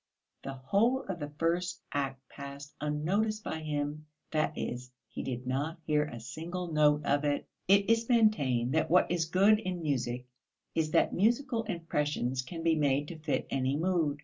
The whole of the first act passed unnoticed by him, that is, he did not hear a single note of it. It is maintained that what is good in music is that musical impressions can be made to fit any mood.